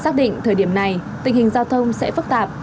xác định thời điểm này tình hình giao thông sẽ phức tạp